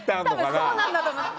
多分そうなんだと思います。